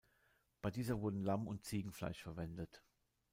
Bei dieser wurden Lamm- und Ziegenfleisch verwendet.